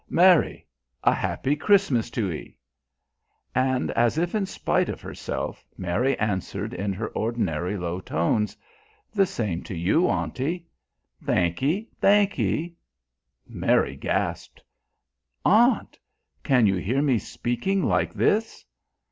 "Mary! A happy Christmas to 'ee." And, as if in spite of herself, Mary answered in her ordinary low tones. "The same to you, auntie." "Thank 'ee. Thank 'ee." Mary gasped. "Aunt! Can you hear me speaking like this?"